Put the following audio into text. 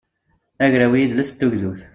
agraw i yidles d tugdut